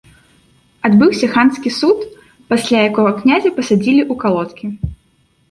Адбыўся ханскі суд, пасля якога князя пасадзілі ў калодкі.